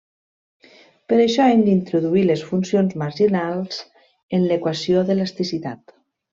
Per això hem d'introduir les funcions marginals en l'equació d'elasticitat.